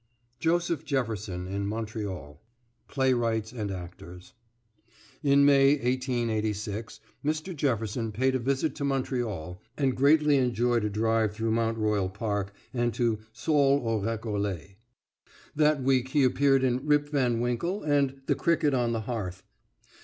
JOSEPH JEFFERSON IN MONTREAL PLAYWRIGHTS AND ACTORS In May, 1886, Mr. Jefferson paid a visit to Montreal, and greatly enjoyed a drive through Mount Royal Park and to Sault au Recollet. That week he appeared in "Rip Van Winkle" and "The Cricket on the Hearth."